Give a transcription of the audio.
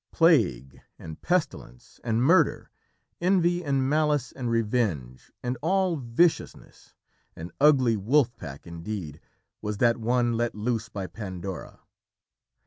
Plague and pestilence and murder, envy and malice and revenge and all viciousness an ugly wolf pack indeed was that one let loose by Pandora.